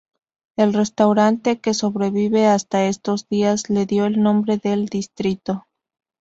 El restaurante, que sobrevive hasta estos días, le dio el nombre al distrito.